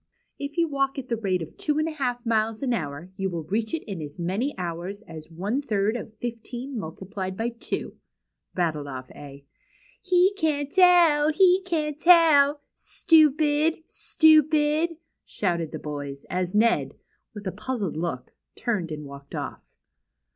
If you walk at the rate of two and a half miles an hour; you will reach it in as many hours as one third of fifteen multiplied by twO;" rattled off A. He can't tell ! he can't tell! Stupid! stupid !" shouted the boyS; as Ned; with a puzzled look; turned and walked off.